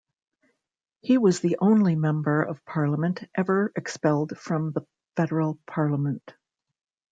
He was the only Member of Parliament ever expelled from the Federal Parliament.